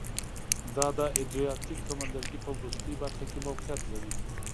دا د ادریاتیک سمندرګي په وروستۍ برخه کې موقعیت لري